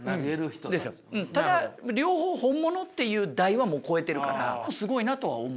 ただ両方本物っていう台はもう超えてるからすごいなとは思う。